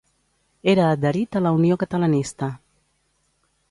Era adherit a la Unió Catalanista.